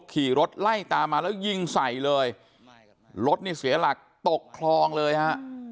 ขี่รถไล่ตามมาแล้วยิงใส่เลยรถนี่เสียหลักตกคลองเลยฮะ